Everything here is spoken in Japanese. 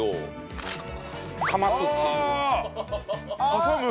挟む。